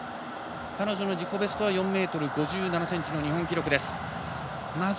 彼女の自己ベストは４ｍ５７ｃｍ日本記録です。